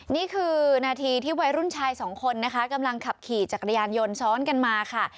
นี่คือนาทีที่วัยรุ่นชายสองคนนะคะกำลังขับขี่จักรยานยนต์ซ้อนกันมาค่ะ